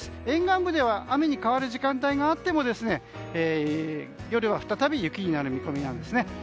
沿岸部では雨に変わる時間帯があっても夜は再び雪になる見込みなんですね。